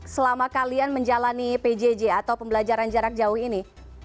selama kalian menjalani pjj atau pembelajaran jarak jauh ini